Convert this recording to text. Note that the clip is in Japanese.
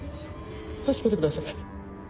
助けてください。